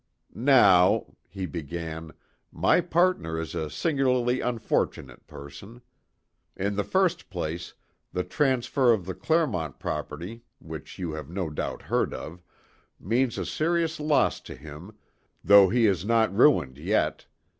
"Now," he began, "my partner is a singularly unfortunate person. In the first place, the transfer of the Clermont property, which you have no doubt heard of, means a serious loss to him, though he is not ruined yet.